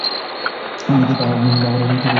যদি তাহা না পার তো ঈশ্বরের ভজনা কর।